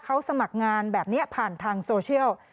เขาสมัครงานแบบนี้ผ่านทางโซเชียล